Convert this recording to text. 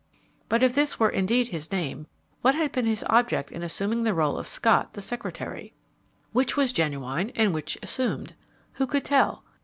But if this were indeed his name, what had been his object in assuming the role of Scott, the secretary? Which was genuine and which assumed? Who could tell?